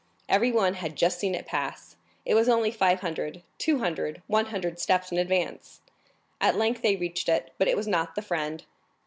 Everyone had just seen it pass; it was only five hundred, two hundred, one hundred steps in advance; at length they reached it, but it was not the friend.